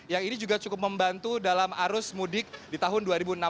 yang ini juga cukup membantu dalam arus mudik di tahun dua ribu enam belas